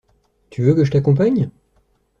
Tu veux que je t’accompagne?